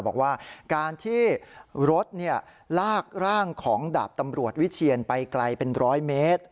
บอกว่าการที่รถลากร่างของดาบตำรวจวิเชียนไปไกลเป็นร้อยเมตร